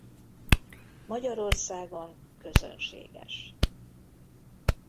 Magyarországon közönséges.